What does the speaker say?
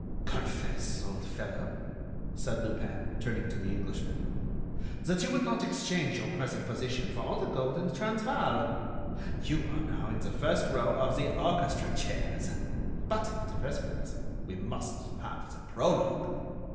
"Confess, old fellow," said Lupin, turning to the Englishman, "that you would not exchange your present position for all the gold in the Transvaal! You are now in the first row of the orchestra chairs! But, in the first place, we must have the prologue